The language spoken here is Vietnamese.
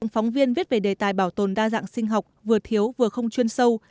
phóng viên viết về đề tài bảo tồn đa dạng sinh học vừa thiếu vừa không chuyên sâu